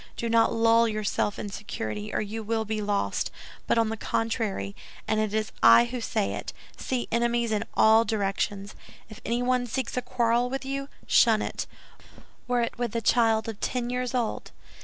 Do not lull yourself in security, or you will be lost; but, on the contrary—and it is I who say it—see enemies in all directions. If anyone seeks a quarrel with you, shun it, were it with a child of ten years old.